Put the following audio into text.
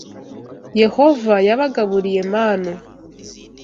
Yehova yabagaburiye manu